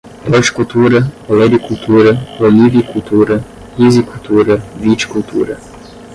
horticultura, olericultura, olivicultura, rizicultura, viticultura